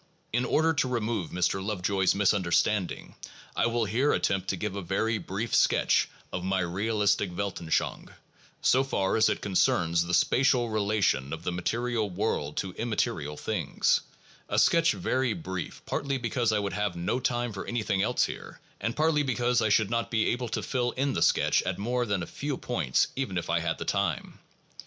In order to remove Mr. Lovejoy's misunderstanding, I will here attempt to give a very brief sketch of my realistic Weltanschauung, so far as it concerns the spatial relation of the material world to immaterial things, — a sketch very brief partly because I have no time for anything else here, and partly because I should not be able to fill in the sketch at more than a few points even if I had the time.